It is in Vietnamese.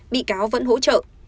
bị cáo vẫn hỗ trợ